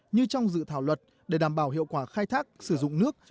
như trong dự thảo luật để đảm bảo hiệu quả khai thác sử dụng nước